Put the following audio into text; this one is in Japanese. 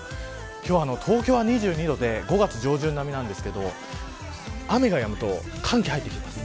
今日は東京は２２度で５月上旬並みですが雨がやむと寒気が入ってきます。